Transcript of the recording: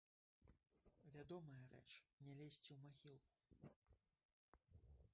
Вядомая рэч, не лезці ў магілу.